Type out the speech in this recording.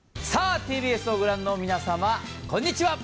ＴＢＳを御覧の皆様、こんにちは。